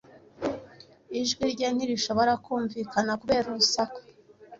Ijwi rye ntirishobora kumvikana kubera urusaku.